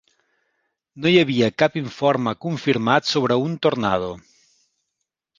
No hi havia cap informe confirmat sobre un tornado.